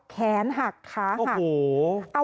แขนหักขาหัก